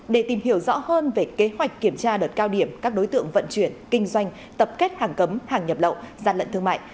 để tìm hiểu rõ hơn về kế hoạch kiểm tra đợt cao điểm các đối tượng vận chuyển kinh doanh tập kết hàng cấm hàng nhập lậu gian lận thương mại